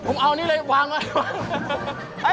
ผมเอานี่เลยวางไว้